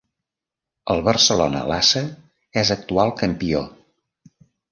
El Barcelona Lassa és actual campió.